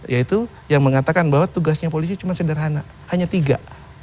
yaitu yang mengatakan bahwa tugasnya polisi cuma sederhana hanya tiga